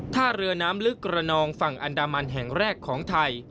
ท่าเรือน้ำลึกระนองฝั่งอันดามันแห่งแรกของไทย